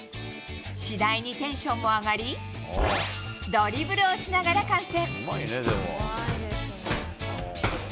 次第にテンションも上がりドリブルをしながら観戦。